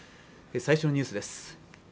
最初のニュースです